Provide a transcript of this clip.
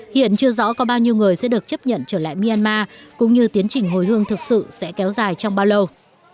hiện chưa rõ có bao nhiêu người sẽ được chấp nhận trở lại myanmar cũng như tiến trình hồi hương thực sự sẽ kéo dài trong bao lâu